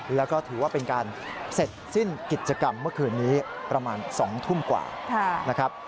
แล้วก็ถือว่าเป็นการเสร็จสิ้นกิจกรรมเมื่อคืนนี้ประมาณ๒ทุ่มกว่านะครับ